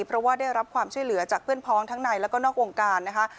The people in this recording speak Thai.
เพราะว่าได้รับความช่วยเหลือจากเพื่อนพ้องทั้งในแล้วก็นอกวงการนะคะ